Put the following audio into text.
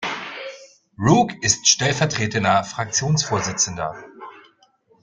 Roock ist stellvertretender Fraktionsvorsitzender.